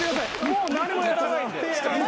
もう何もやらないんで。